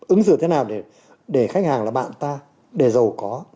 ứng xử thế nào để khách hàng là bạn ta để giàu có